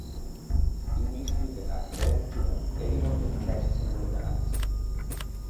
English cricketer Darren Stevens এরই মধ্যে ঢাকায় এসেছেন বলে জানা গেছে।